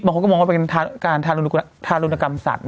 บางคนก็มองว่าเป็นการทารุณกรรมสัตว